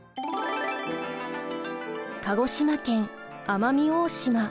鹿児島県奄美大島。